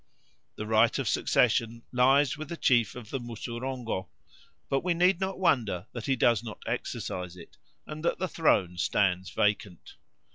The right of succession lies with the chief of the Musurongo; but we need not wonder that he does not exercise it, and that the throne stands vacant.